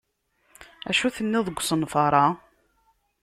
Acu tenniḍ deg usenfaṛ-a?